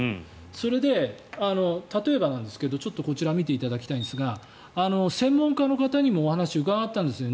それで、例えばなんですけどちょっとこちら見ていただきたいんですが専門家の方にもお話を伺ったんですね。